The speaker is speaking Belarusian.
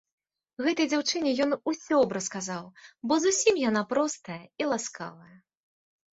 Гэтай дзяўчыне ён усё б расказаў, бо зусім яна простая і ласкавая.